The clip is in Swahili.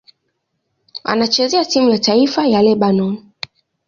Anachezea timu ya taifa ya Lebanoni.